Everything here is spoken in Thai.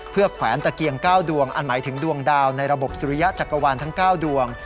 แขวนตะเกียง๙ดวงอันหมายถึงดวงดาวในระบบสุริยะจักรวาลทั้ง๙ดวง